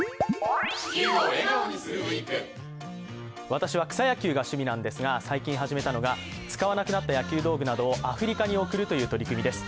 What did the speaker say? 私は草野球が趣味なんですが、最近始めたのが使わなくなった野球道具などをアフリカに送るということです。